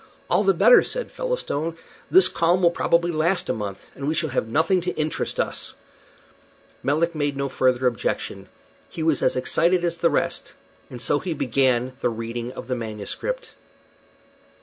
"All the better," said Featherstone; "this calm will probably last a month, and we shall have nothing to interest us." Melick made no further objection. He was as excited as the rest, and so he began the reading of the manuscript.